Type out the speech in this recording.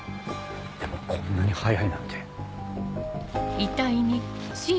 でもこんなに早いなんて。